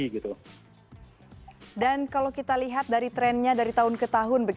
dan kalau kita lihat dari trennya dari tahun ke tahun